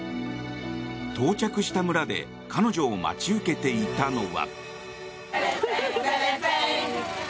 到着した村で彼女を待ち受けていたのは。